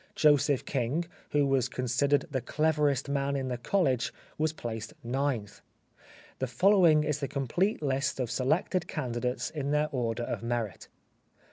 Joseph King, who was considered the cleverest man in the college was placed ninth. The following is the complete list of selected candidates in their order of merit.